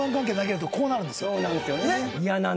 そうなんですよね。